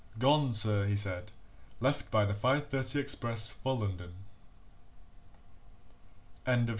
"Gone, sir," he said. "Left by the five thirty express for London."